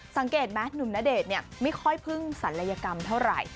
สังเกตมะหนุ่มณเดชน์เนี่ยไม่ค่อยพึ่งสันลัยกรรมเท่าไหร่